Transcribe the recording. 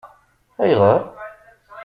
AyƔeṛ?